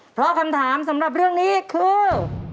เพราะคำถามสำหรับเรื่องนี้คือ